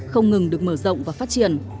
không ngừng được mở rộng và phát triển